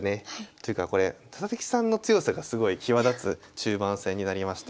というかこれ佐々木さんの強さがすごい際立つ中盤戦になりました。